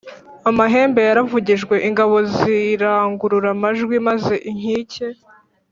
amahembe yaravugijwe ingabo zirangurura amajwi maze inkike